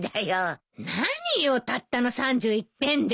何よたったの３１点で。